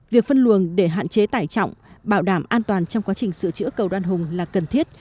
việc phân luồng để hạn chế tải trọng bảo đảm an toàn trong quá trình sửa chữa cầu đoan hùng là cần thiết